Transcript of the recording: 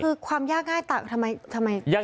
คือความยากง่ายทำไมชอบนั้นกล้า